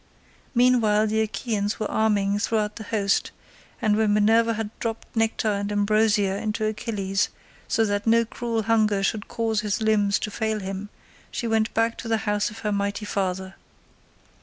Meanwhile the Achaeans were arming throughout the host, and when Minerva had dropped nectar and ambrosia into Achilles so that no cruel hunger should cause his limbs to fail him, she went back to the house of her mighty father.